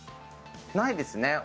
ないですね。